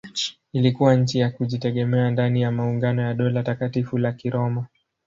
Ilikuwa nchi ya kujitegemea ndani ya maungano ya Dola Takatifu la Kiroma.